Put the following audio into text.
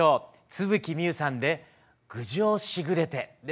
津吹みゆさんで「郡上しぐれて」です。